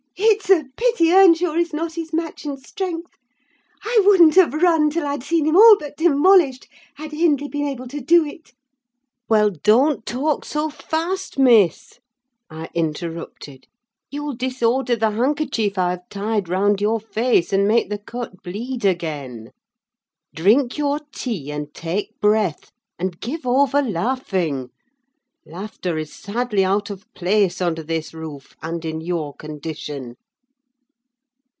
It's a pity Earnshaw is not his match in strength: I wouldn't have run till I'd seen him all but demolished, had Hindley been able to do it!" "Well, don't talk so fast, Miss!" I interrupted; "you'll disorder the handkerchief I have tied round your face, and make the cut bleed again. Drink your tea, and take breath, and give over laughing: laughter is sadly out of place under this roof, and in your condition!"